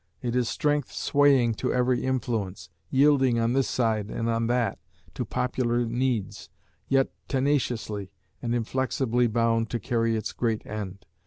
It is strength swaying to every influence, yielding on this side and on that, to popular needs, yet tenaciously and inflexibly bound to carry its great end....